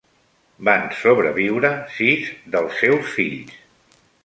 Van sobreviure sis dels seus fills.